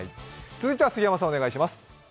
続いては杉山さん、お願いします。